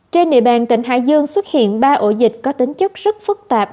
trên địa bàn tỉnh hải dương xuất hiện ba ổ dịch có tính chất rất phức tạp